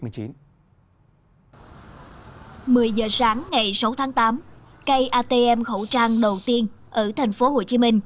một mươi giờ sáng ngày sáu tháng tám cây atm khẩu trang đầu tiên ở tp hcm